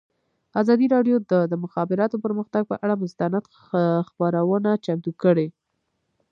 ازادي راډیو د د مخابراتو پرمختګ پر اړه مستند خپرونه چمتو کړې.